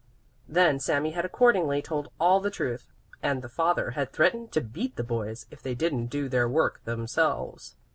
Then Sami had accordingly told all the truth, and the father had threatened to beat the boys if they didn't do their work themselves.